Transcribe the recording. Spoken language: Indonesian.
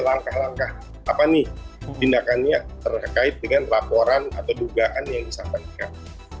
langkah langkah apa nih tindakannya terkait dengan laporan atau dugaan yang disampaikan